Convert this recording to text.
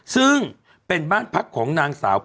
ซึ่งเป็นบ้านพักของนางสาว